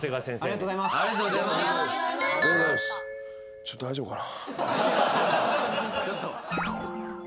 ちょっと大丈夫かなぁ。